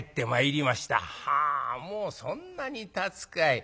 「はあもうそんなにたつかい。